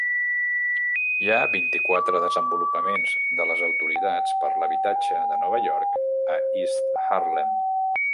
Hi ha vint-i-quatre desenvolupaments de les Autoritats per l'habitatge de Nova York a East Harlem.